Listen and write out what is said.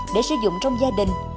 để sử dụng trong gia đình